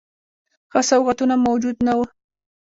ښه سوغاتونه موجود نه وه.